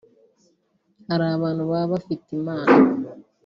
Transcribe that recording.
hari abantu baba bafite impano